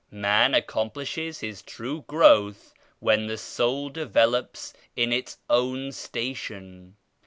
Man accomplishes his true growth when the soul develops in its own station.